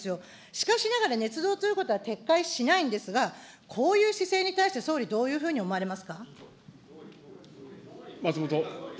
しかしながら、ねつ造ということは撤回しないんですが、こういう姿勢に対して、総理、どういうふうに思われますか。